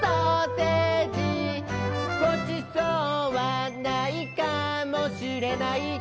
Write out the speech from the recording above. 「ごちそうはないかもしれない」